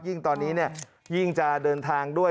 ยิ่งตอนนี้ยิ่งจะเดินทางด้วย